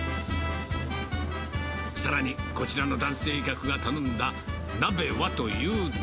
さらに、こちらの男性客が頼んだ鍋はというと。